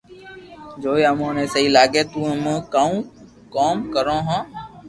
جوي امو نو سھيي لاگي تو امو ڪوم ڪرو ھون